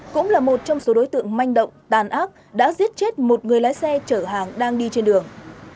cũng là một trong số đối tượng manh động tàn ác đã giết chết một người lái xe chở hàng đang đi trên đường